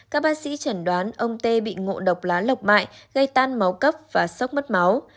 các bác sĩ chẩn đoán ông tê bị ngộ độc lá lọc mại gây tan máu cấp và sốc mất máu